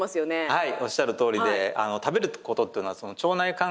はい。